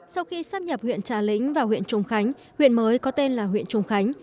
sau khi sắp nhập huyện trà lĩnh và huyện trùng khánh huyện mới có tên là huyện trùng khánh